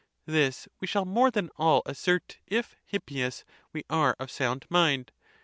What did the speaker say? * This we shall more than all assert, if, Hippias, we are of sound mind.